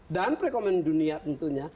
dan perekonomian dunia tentunya